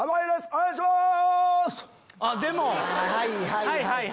お願いします。